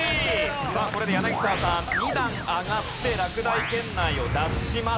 さあこれで柳澤さん２段上がって落第圏内を脱します。